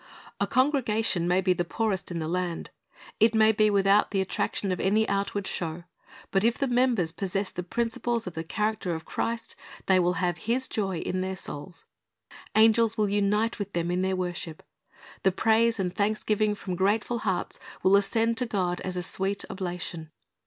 A congregation may be the poorest in the land. It may be without the attraction of any outward show; but if the members possess the principles of the character of Christ, they will have His joy in their souls. Angels will unite with them in their worship. The praise and thanksgiving from crrateful hearts will ascend to God as a sweet oblation.